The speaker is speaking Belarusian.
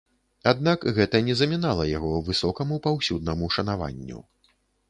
Аднак гэта не замінала яго высокаму паўсюднаму шанаванню.